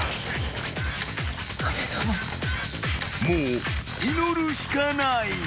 ［もう祈るしかない］